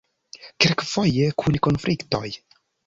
Kelkfoje kun konfliktoj.